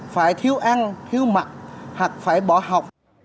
phải thiếu ăn thiếu mặt hoặc phải bỏ học